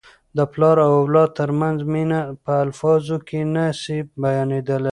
د پلار او اولاد ترمنځ مینه په الفاظو کي نه سي بیانیدلی.